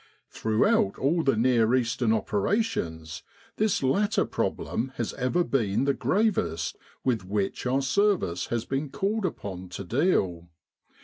Throughout all the Near Eastern opera tions this latter problem has ever been the gravest with which .our Service has been called upon to deal.